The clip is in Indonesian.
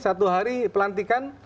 satu hari pelantikan